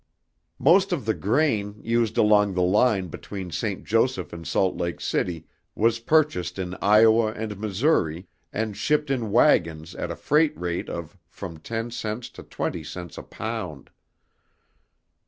Most of the grain used along the line between St. Joseph and Salt Lake City was purchased in Iowa and Missouri and shipped in wagons at a freight rate of from ten cents to twenty cents a pound.